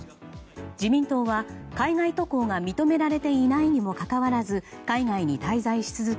自民党は海外渡航が認められていないにもかかわらず海外に滞在し続け